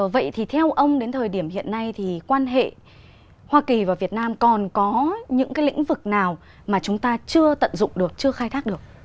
vậy thì theo ông đến thời điểm hiện nay thì quan hệ hoa kỳ và việt nam còn có những cái lĩnh vực nào mà chúng ta chưa tận dụng được chưa khai thác được